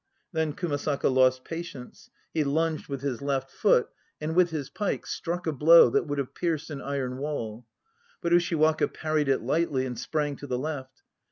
Then Kumasaka lost patience. He lunged with his left foot and with his pike Struck a blow that would have pierced an iron wall. But Ushiwaka parried it lightly and sprang to the left.